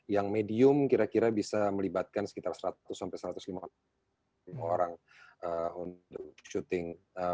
yang medium kira kira bisa melibatkan sekitar seratus sampai satu ratus lima puluh orang untuk syuting